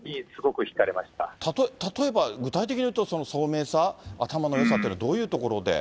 例えば、具体的にいうと聡明さ、頭のよさというのはどういうところで。